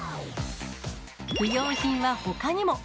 不要品はほかにも。